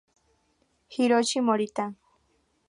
Hiroshi Morita